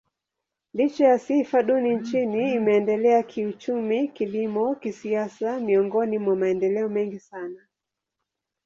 Licha ya sifa duni nchini, imeendelea kiuchumi, kilimo, kisiasa miongoni mwa maendeleo mengi sana.